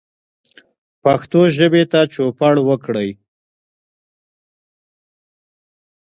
پښتو ژبې ته چوپړ وکړئ